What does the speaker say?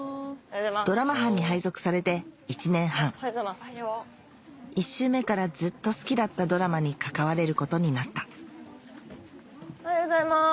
ドラマ班に配属されて１年半１周目からずっと好きだったドラマに関われることになったおはようございます。